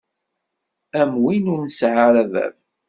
Am win ur nesɛi ara bab.